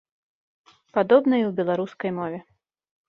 Падобна і ў беларускай мове.